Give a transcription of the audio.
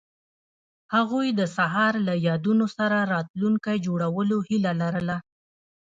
هغوی د سهار له یادونو سره راتلونکی جوړولو هیله لرله.